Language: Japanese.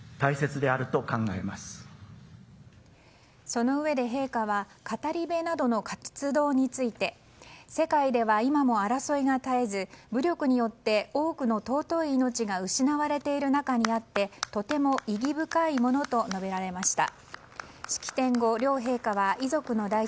そのうえで陛下は語り部などの活動について世界では今も争いが絶えず武力によって多くの尊い命が失われている中にあってとても意義深いものと述べられました。